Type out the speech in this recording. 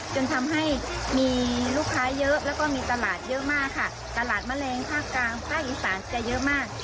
จนทำให้มีลูกค้าเยอะแล้วก็มีตลาดเยอะมากค่ะตลาดแมลงภาคกลางภาคอีสานจะเยอะมาก